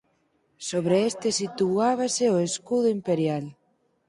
Sobre este situábase o Escudo Imperial.